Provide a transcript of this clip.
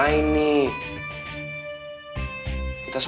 lelengin pas kesakitan ops